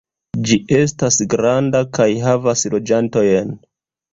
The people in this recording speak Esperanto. Ĝi estas granda kaj havas loĝantojn.